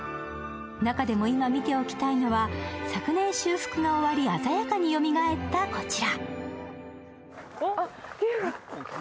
中でも今見ておきたいのは昨年修復が終わり鮮やかによみがえったこちら。